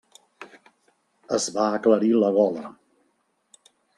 Es va aclarir la gola.